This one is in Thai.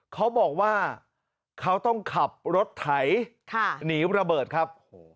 เขาบอกว่าเขาต้องขับรถไถหนีระเบิดครับ